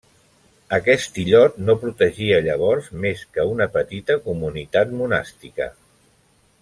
Aquest illot no protegia llavors més que una petita comunitat monàstica.